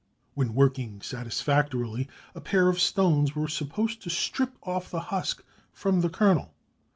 When working satisfactorily a pair of stones were supposed to strip off the husk from the kernel.